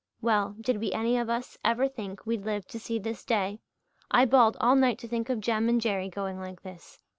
"Well, did we any of us ever think we'd live to see this day? I bawled all night to think of Jem and Jerry going like this.